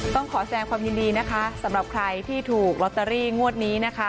ต้องขอแสงความยินดีนะคะสำหรับใครที่ถูกลอตเตอรี่งวดนี้นะคะ